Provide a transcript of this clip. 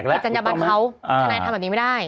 อันนี้กิจจัญบัตรเขาทนายทำแบบนี้ไม่ได้